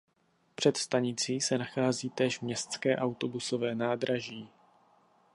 Před stanicí se nachází též městské autobusové nádraží.